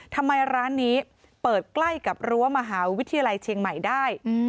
ทำไมร้านนี้เปิดใกล้กับรั้วมหาวิทยาลัยเชียงใหม่ได้